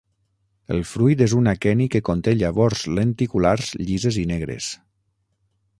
El fruit és un aqueni que conté llavors lenticulars llises i negres.